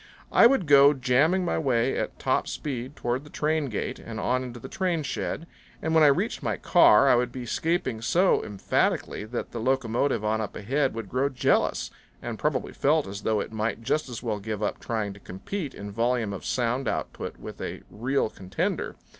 I would go jamming my way at top speed toward the train gate and on into the train shed, and when I reached my car I would be 'scaping so emphatically that the locomotive on up ahead would grow jealous and probably felt as though it might just as well give up trying to compete in volume of sound output with a real contender.